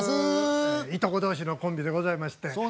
いとこ同士のコンビでございまして。